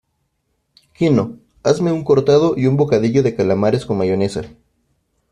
Quino, hazme un cortado y un bocadillo de calamares con mayonesa.